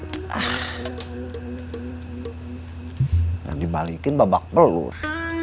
dan dibalikin babak pelur